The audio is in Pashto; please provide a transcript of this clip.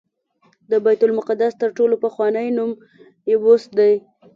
د بیت المقدس تر ټولو پخوانی نوم یبوس دی.